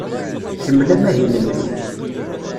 Kemmel amahil-nnek.